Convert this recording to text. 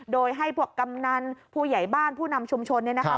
โดยให้พวกกำนันผู้ใหญ่บ้านผู้นำชุมชนเนี่ยนะคะ